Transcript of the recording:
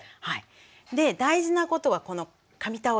で大事なことはこの紙タオル。